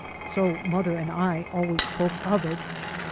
So mother and I always spoke of it.